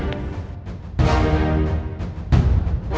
tidak tetap tidak lupa untuk mensyarikannya